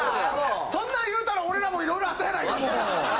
そんなん言うたら俺らもいろいろあったやないかここ。